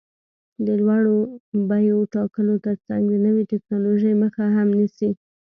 د لوړو بیو ټاکلو ترڅنګ د نوې ټکنالوژۍ مخه هم نیسي.